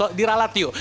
oh di ralat yuk